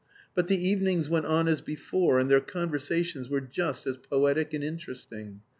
But the evenings went on as before, and their conversations were just as poetic and interesting.